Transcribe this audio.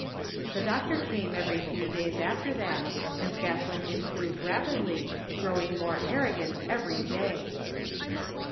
The doctor came every few days after that and Scathlin improved rapidly, growing more arrogant every day.